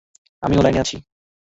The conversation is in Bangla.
আমি লাইনে আছি।